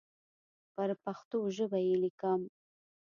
پر پښتو ژبه یې لیکم.